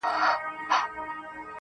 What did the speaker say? هغه چي پولي د ایمان وې اوس یې نښه نسته،